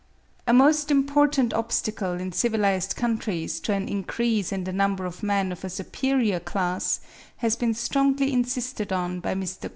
A most important obstacle in civilised countries to an increase in the number of men of a superior class has been strongly insisted on by Mr. Greg and Mr. Galton (19.